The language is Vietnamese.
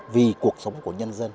vì cuộc sống của nhân dân